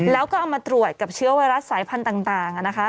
แล้วก็เอามาตรวจกับเชื้อไวรัสสายพันธุ์ต่าง